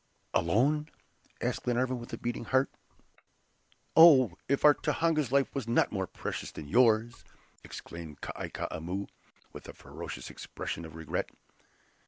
"Alone?" asked Glenarvan, with a beating heart. "Oh! if our Tohonga's life was not more precious than yours!" exclaimed Kai Koumou, with a ferocious expression of regret.